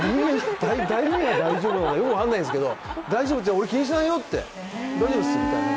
何が大丈夫なのかよく分からないんですけど俺、気にしないよって、大丈夫ですって。